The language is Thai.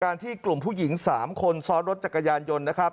ที่กลุ่มผู้หญิง๓คนซ้อนรถจักรยานยนต์นะครับ